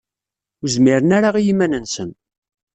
Ur zmiren ara i yiman-nsen.